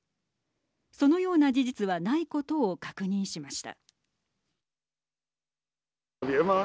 そのような事実はないことを確認しました。